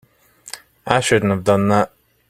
I shouldn't have done that.